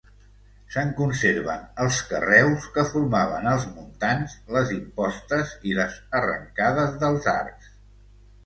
Se'n conserven els carreus que formaven els muntants, les impostes i les arrencades dels arcs.